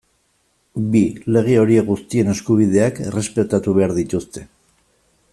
Bi, lege horiek guztien eskubideak errespetatu behar dituzte.